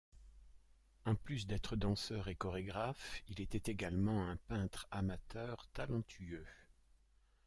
En plus d'être danseur et chorégraphe, il était également un peintre amateur talentueux.